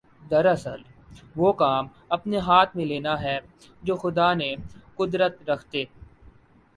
دراصل وہ کام اپنے ہاتھ میں لینا ہے جوخدا نے قدرت رکھتے